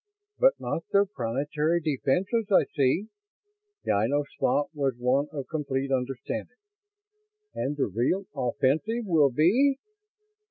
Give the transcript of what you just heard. "But not their planetary defenses. I see." Ynos's thought was one of complete understanding. "And the real offensive will be?"